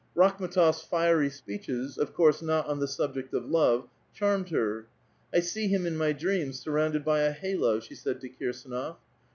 Rakhm^tofs fiery s[>eeches, of couree not on the subject of love, charmed her. *' I see him in my dreams suiTounded by a halo," she said to Kirsdnof.